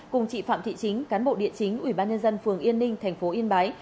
cùng chị phạm thị chính cán bộ điện chính ủy ban nhân dân phường yên ninh tp yên bái